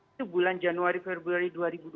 itu bulan januari februari dua ribu dua puluh